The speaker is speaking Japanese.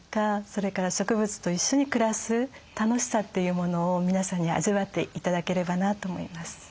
それから植物と一緒に暮らす楽しさというものを皆さんに味わって頂ければなと思います。